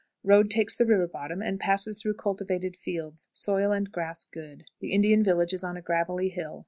Road takes the river bottom, and passes through cultivated fields; soil and grass good. The Indian village is on a gravelly hill.